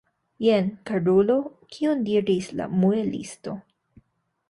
Jen, karulo, kion diris la muelisto!